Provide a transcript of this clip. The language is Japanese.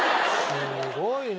すごいね。